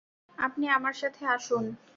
আপনি আমার সাথে আসুন।